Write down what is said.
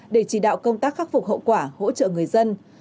để chỉ đạo công tác khắc phục hậu quả hỗ trợ người dân